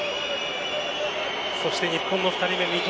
そして日本の２人目・三笘。